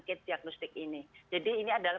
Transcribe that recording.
ketiagnostik ini jadi ini adalah